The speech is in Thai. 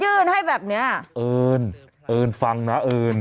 ซื้อให้มันต้องมีในกล่องไว้ล่ะ